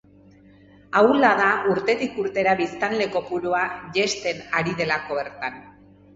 Ahula da urtetik urtera biztanle kopurua jaisten ari delako bertan.